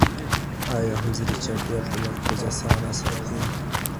ايا حضوري چاپيريال تمرکز اسانه ساتي؟